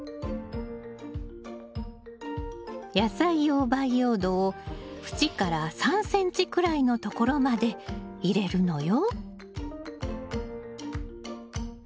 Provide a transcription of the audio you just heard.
野菜用培養土を縁から３ｃｍくらいのところまで入れるのよ。